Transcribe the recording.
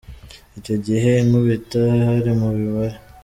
Icyo gihe ankubita hari mu mibare.